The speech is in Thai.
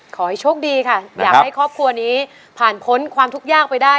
ขอให้โชคดีค่ะอยากให้ครอบครัวนี้ผ่านพ้นความทุกข์ยากไปได้